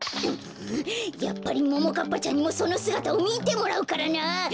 やっぱりももかっぱちゃんにもそのすがたをみてもらうからな！